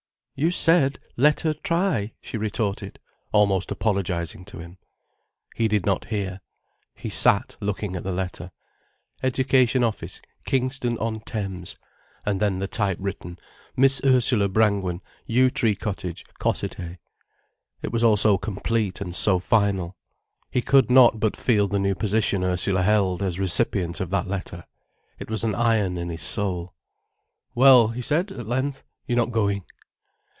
"You said, 'let her try,'" she retorted, almost apologizing to him. He did not hear. He sat looking at the letter. "Education Office, Kingston on Thames"—and then the typewritten "Miss Ursula Brangwen, Yew Tree Cottage, Cossethay." It was all so complete and so final. He could not but feel the new position Ursula held, as recipient of that letter. It was an iron in his soul. "Well," he said at length, "you're not going."